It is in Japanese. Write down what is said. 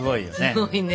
すごいね。